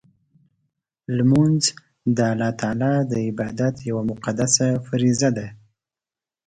لمونځ د الله تعالی د عبادت یوه مقدسه فریضه ده.